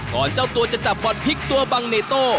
เจ้าตัวจะจับบอลพลิกตัวบังเนโต้